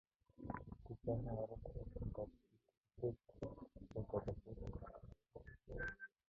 Би жаахан оройтож ирсэн бол бид хэзээ ч дахин учрахгүй байлаа шүү дээ.